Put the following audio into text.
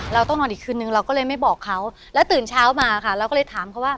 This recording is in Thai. เราต้องนอนอีกคืนนึงเราก็เลยไม่บอกเขาแล้วตื่นเช้ามาค่ะเราก็เลยถามเขาว่า